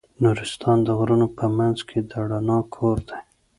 نورستان د غرونو په منځ کې د رڼا کور دی.